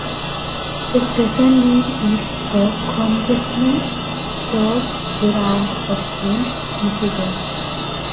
The present name is for congressman George Durand of Flint, Michigan.